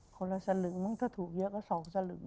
คนละสลึงถ้าถูกเยอะก็สองสลึง